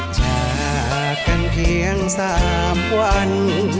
จากกันเพียง๓วัน